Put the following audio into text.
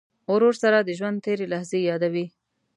ورور سره د ژوند تېرې لحظې یادوې.